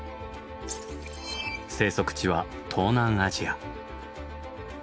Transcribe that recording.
生息地は東南アジア。